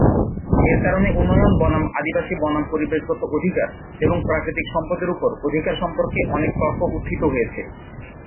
এর কারণে, উন্নয়ন বনাম আদিবাসী বনাম পরিবেশগত অধিকার এবং প্রাকৃতিক সম্পদের উপর অধিকার সম্পর্কে অনেক তর্ক উত্থিত হয়েছে।